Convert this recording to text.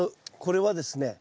これはですね